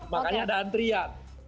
makanya ada antrian